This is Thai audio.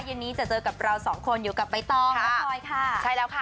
เย็นนี้จะเจอกับเราสองคนอยู่กับใบตองและพลอยค่ะใช่แล้วค่ะ